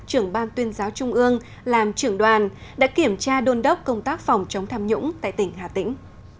trưởng ban tuyên giáo trung ương làm trưởng đoàn đã kiểm tra đôn đốc công tác phòng chống tham nhũng tại tỉnh hà tĩnh